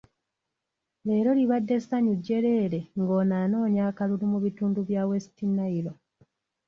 Leero libadde ssanyu jjereere ng'ono anoonya akalulu mu bitundu bya West Nile.